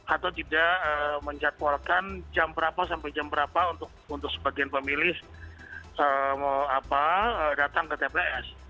atau tidak menjatuhalkan jam berapa sampai jam berapa untuk sebagian pemilih datang ke tps